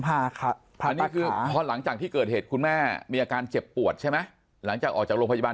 อันนี้คือพอหลังจากที่เกิดเหตุคุณแม่มีอาการเจ็บปวดใช่ไหมหลังจากออกจากโรงพยาบาล